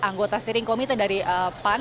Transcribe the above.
anggota setiring komite dari pan